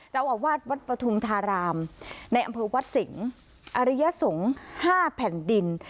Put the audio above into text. เจ้าอาวาสวัดปฐุมธารามในอำเภอวัดสิงศ์อริยสงฆ์๕แผ่นดิน